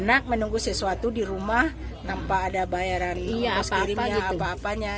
enak menunggu sesuatu di rumah tanpa ada bayaran